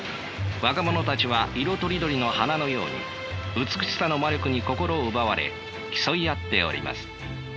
若者たちは色とりどりの花のように美しさの魔力に心奪われ競い合っております。